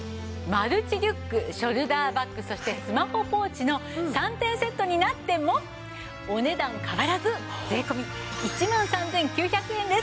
マルチリュックショルダーバッグそしてスマホポーチの３点セットになってもお値段変わらず税込１万３９００円です。